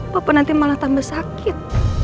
papa nanti malah tambah sakit